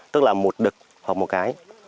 tức là một đực hoặc một cái